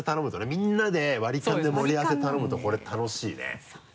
みんなで割り勘で盛り合わせ頼むとこれ楽しいね。